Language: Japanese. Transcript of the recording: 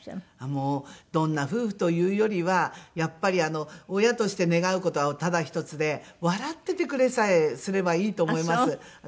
もうどんな夫婦というよりはやっぱり親として願う事はただ一つで笑っててくれさえすればいいと思います。